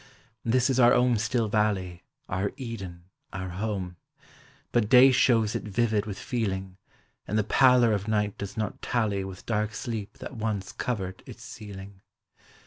This is our own still valley Our Eden, our home, But day shows it vivid with feeling And the pallor of night does not tally With dark sleep that once covered its ceiling.